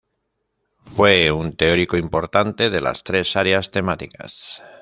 Fue un teórico importante de las tres áreas temáticas.